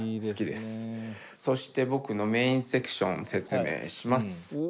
そして僕のメインセクション説明します。